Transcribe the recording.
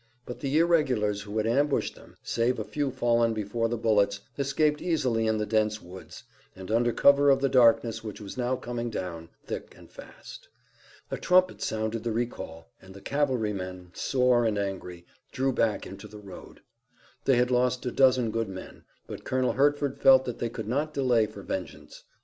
But the irregulars who had ambushed them, save a few fallen before the bullets, escaped easily in the dense woods, and under cover of the darkness which was now coming down, thick and fast. A trumpet sounded the recall and the cavalrymen, sore and angry, drew back into the road. They had lost a dozen good men, but Colonel Hertford felt that they could not delay for vengeance.